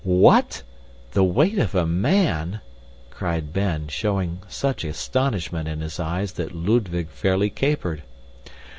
"What, the weight of a man!" cried Ben, showing such astonishment in his eyes that Ludwig fairly capered.